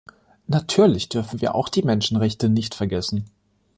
Natürlich dürfen wir auch die Menschenrechte nicht vergessen.